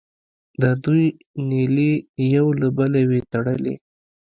د دوی نیلې یو له بله وې تړلې.